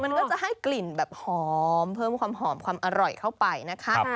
มันก็จะให้กลิ่นแบบหอมเพิ่มความหอมความอร่อยเข้าไปนะคะ